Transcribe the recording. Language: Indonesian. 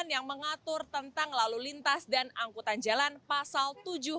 yang mengatur tentang lalu lintas dan angkutan jalan pasal tujuh puluh empat